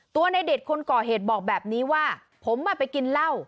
ในเด็ดคนก่อเหตุบอกแบบนี้ว่าผมไปกินเหล้า